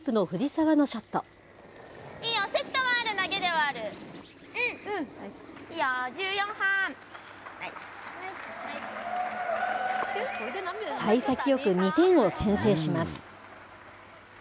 さい先よく２点を先制します。